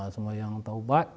semuanya yang menitahubat